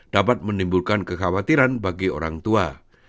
dapat menimbulkan kekhawatiran bagi orang tua